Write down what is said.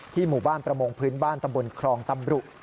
หมู่บ้านประมงพื้นบ้านตำบลครองตำรุ